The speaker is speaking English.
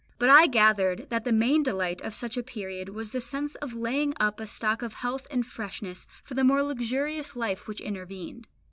But I gathered that the main delight of such a period was the sense of laying up a stock of health and freshness for the more luxurious life which intervened.